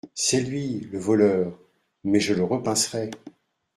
C’est lui !… le voleur !… mais je le repincerai !